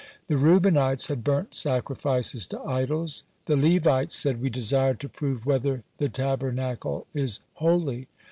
The Reubenites had burnt sacrifices to idols. The Levites said: "We desired to prove whether the Tabernacle is holy."